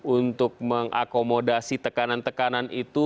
untuk mengakomodasi tekanan tekanan itu